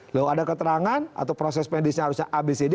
lalu ada keterangan atau proses pendisnya harusnya abcd